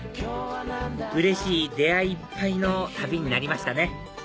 うれしい出会いいっぱいの旅になりましたね